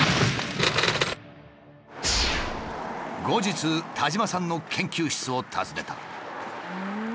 後日田島さんの研究室を訪ねた。